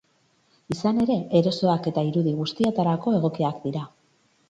Izan ere, erosoak eta eta irudi guztietarako egokiak dira.